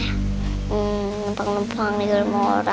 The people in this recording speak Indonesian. hmm nempang nempang di rumah orang aja deh